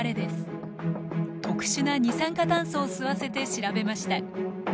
特殊な二酸化炭素を吸わせて調べました。